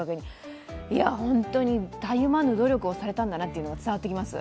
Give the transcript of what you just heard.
いや、本当にたゆまぬ努力をしたんだなと伝わってきます。